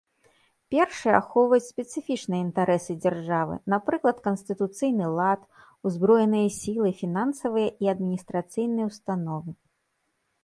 Першыя ахоўваюць спецыфічныя інтарэсы дзяржавы, напрыклад, канстытуцыйны лад, узброеныя сілы, фінансавыя і адміністрацыйныя ўстановы.